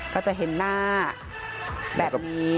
ก็จะเห็นหน้าแบบนี้